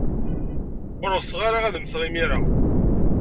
Ur ɣseɣ ara ad mmteɣ imir-a.